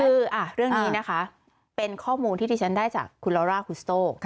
คือเรื่องนี้นะคะเป็นข้อมูลที่ที่ฉันได้จากคุณลอร่าคุณสโต้